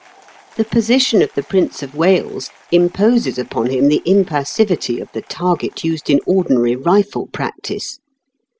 The position of the Prince of Wales imposes upon him the impassivity of the target used in ordinary rifle practice.